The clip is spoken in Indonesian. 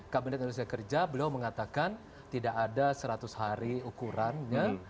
kabinet indonesia kerja beliau mengatakan tidak ada seratus hari ukurannya